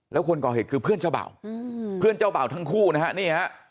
แล้วคนก่อเหตุคือเพื่อนเจ้าเบ่าเพื่อนเจ้าเบ่าทั้งคู่นะฮะนี่ฮะ